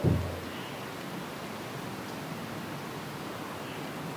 Ana amepotea